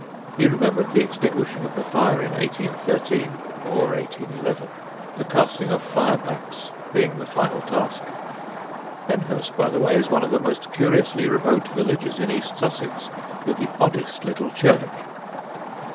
He remembered the extinguishing of the fire in 1813 (or 1811), the casting of fire backs being the final task. Penhurst, by the way, is one of the most curiously remote villages in east Sussex, with the oddest little church.